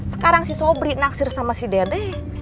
sekarang si sobri naksir sama si dedeh